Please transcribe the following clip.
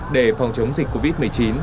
để phòng chống dịch covid một mươi chín